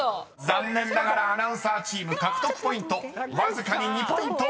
［残念ながらアナウンサーチーム獲得ポイントわずかに２ポイント］